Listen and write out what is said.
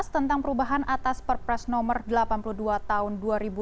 tentang perubahan atas perpres nomor delapan puluh dua tahun dua ribu delapan belas